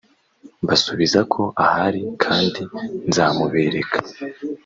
mbasubizako ahari kandi nzamubereka.